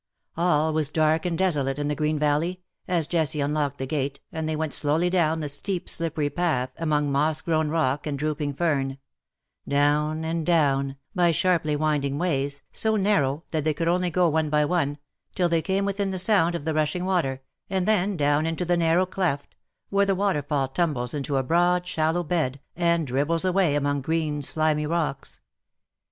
All was dark and desolate in the green valley, as Jessie unlocked the gate, and they went slowly down the steep slippery path, among moss grown rock and drooping fern — down and down, by sharply winding ways, so narrow that they could only go one by one, till they came within the sound of the rushing water, and then down into the narrow cleft, where the waterfall tumbles into a broad shallow bed, and dribbles away among green slimy rocks.